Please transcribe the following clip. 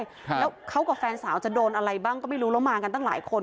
ครับแล้วเขากับแฟนสาวจะโดนอะไรบ้างก็ไม่รู้แล้วมากันตั้งหลายคน